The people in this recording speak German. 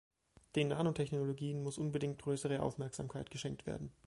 Den Nanotechnologien muss unbedingt größere Aufmerksamkeit geschenkt werden.